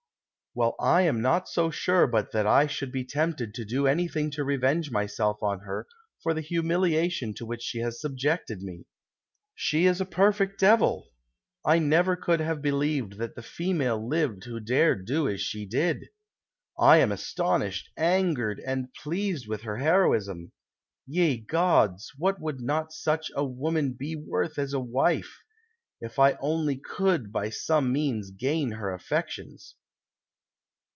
" Well, I am not so sure but that I should be tempted to do any thing to revenge myself on her, for the luuiiiliation to which she has subjected me. She is a perfect devil ! I never could have believed that the female lived who dared do as she did. I am astonished, angered and pleased with her heroism. Ye gods, what would not such a woman be worth as a wife I If I only could by some means gain her affections."